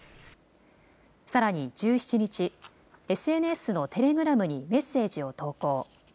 さらに１７日、ＳＮＳのテレグラムにメッセージを投稿。